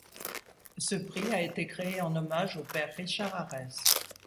Ce prix a été créé en hommage au père Richard Arès.